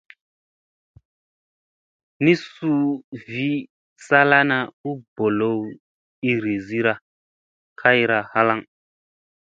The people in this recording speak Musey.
Ni suu vi salana, u bolow iirizira kayra halaŋ.